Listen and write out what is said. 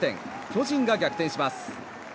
巨人が逆転します。